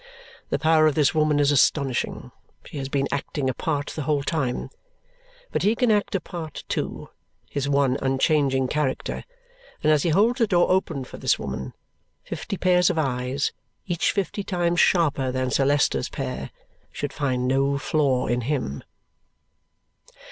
The power of this woman is astonishing. She has been acting a part the whole time." But he can act a part too his one unchanging character and as he holds the door open for this woman, fifty pairs of eyes, each fifty times sharper than Sir Leicester's pair, should find no flaw in him.